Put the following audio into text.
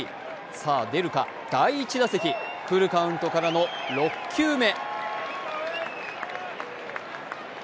さあ出るか、第１打席、フルカウントからの６球目。